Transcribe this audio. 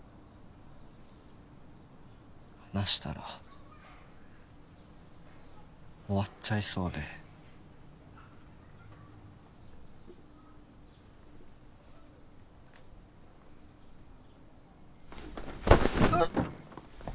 話したら終わっちゃいそうでうっ！